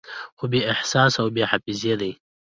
خو بې احساسه او بې حافظې ده